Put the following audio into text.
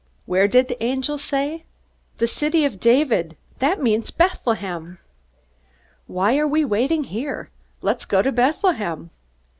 "Where did the angel say?" "The city of David that means Bethlehem." "Why are we waiting here? Let's go to Bethlehem."